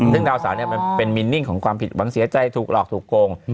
ซึ่งดาวเสาร์เนี่ยมันเป็นมินนิ่งของความผิดหวังเสียใจถูกหลอกถูกโกง